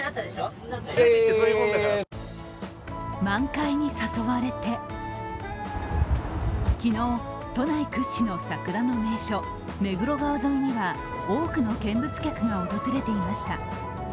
満開に誘われて、昨日、都内屈指の桜の名所、目黒川沿いには、多くの見物客が訪れていました。